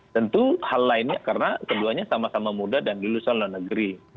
tentu hal lainnya karena keduanya sama sama muda dan dilulus oleh negeri